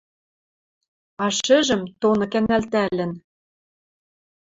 А шӹжӹм, тоны кӓнӓлтӓлӹн